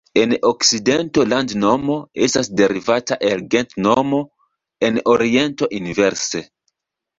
En okcidento landnomo estas derivata el gentnomo; en oriento inverse.